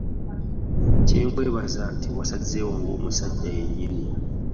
Kye nkwebaza nti wasazeewo nga musajja yennyini.